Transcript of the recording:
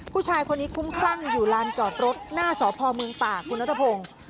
ผู้ชายคนนี้คุ้มคลั่งอยู่ลานจอดรถหน้าสพเมืองตากคุณนัทพงศ์